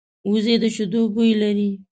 وزې د شیدو بوی لري